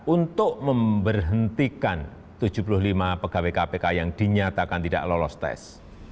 untuk memberhentikan tujuh puluh lima pegawai kpk yang dinyatakan tidak lolos tes